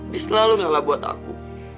dia selalu menyala buat aku